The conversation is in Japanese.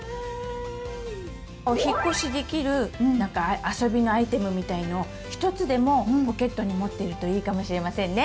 「お引っ越しできる」あそびのアイテムみたいのをひとつでもポケットに持ってるといいかもしれませんね！